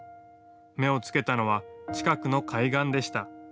目をつけたのは近くの海岸でした。